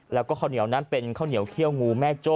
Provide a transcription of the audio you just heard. แล้วก็ข้าวเหนียวนั้นเป็นข้าวเหนียวเขี้ยวงูแม่โจ้